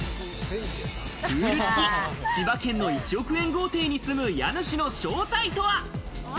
プール付き千葉県の１億円豪邸に住む家主の正体とは？